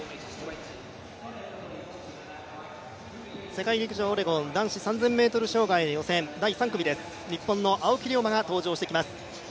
世界陸上オレゴン男子３０００ｍ障害、３組目には日本の青木涼真が登場してきます。